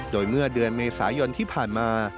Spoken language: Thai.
โดยเมื่อเดือนเมษายนที่ผ่านมา